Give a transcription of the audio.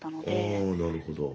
ああなるほど。